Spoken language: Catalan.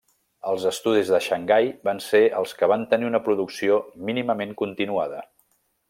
Els estudis de Xangai van ser els que va tenir una producció mínimament continuada.